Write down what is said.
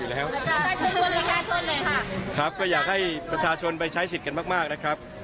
แล้วก็อยากให้ประชาชนไปใช้สิทธิ์กันมากมากนะครับ